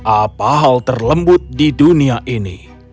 apa hal terlembut di dunia ini